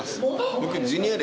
僕。